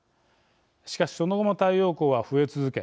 しかし、その後も太陽光は増え続け